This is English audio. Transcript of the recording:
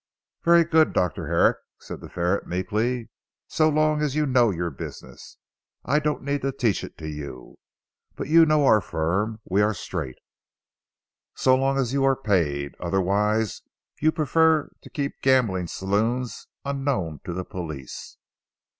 "Very good Dr. Herrick," said the ferret meekly, "so long as you know your business, I don't need to teach it to you. But you know our firm. We are straight." "So long as you are paid. Otherwise you prefer to keep gambling saloons unknown to the police.